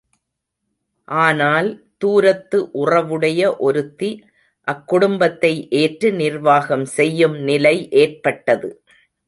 ஆனால், தூரத்து உறவுடைய ஒருத்தி அக்குடும்பத்தை ஏற்று நிர்வாகம் செய்யும் நிலை ஏற்பட்டது.